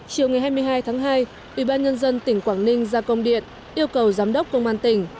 chiều ngày hai mươi hai tháng hai ubnd tỉnh quảng ninh ra công điện yêu cầu giám đốc công an tỉnh